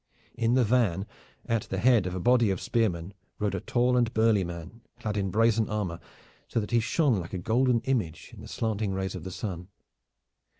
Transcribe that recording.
In the van, at the head of a body of spearmen, rode a tall and burly man, clad in brazen armor, so that he shone like a golden image in the slanting rays of the sun.